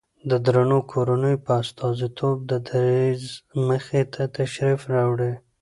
د درنو کورنيو په استازيتوب د دريځ مخې ته تشریف راوړي